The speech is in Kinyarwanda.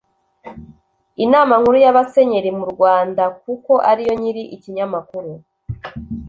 inama nkuru y’abasenyeri mu rwandakuko ariyo nyiri ikinyamakuru.